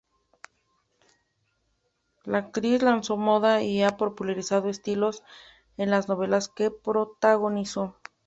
La actriz lanzó moda y ha popularizado estilos en las novelas que protagonizó.